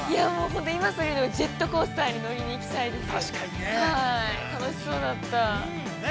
◆本当、今すぐにジェットコースターに乗りに行きたいです。